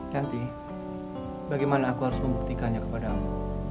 yanti bagaimana aku harus membuktikannya kepada kamu